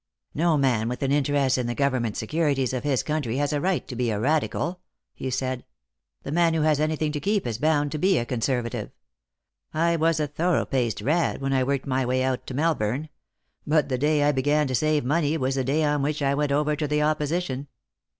" No man with an interest in the government securities of his country has a right to be a Radical," he said. " The man who has anything to keep is bound to be a Conservative. I was a thorough paced 'rad' when I worked my way out to Melbourne; but the day I began to save money was the day on which I went over to the opposition.